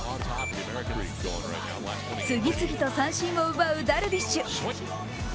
次々と三振を奪うダルビッシュ。